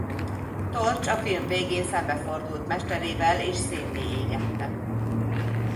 Torch a film végén szembefordult mesterével és szénné égette.